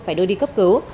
phải đưa đi cấp cứu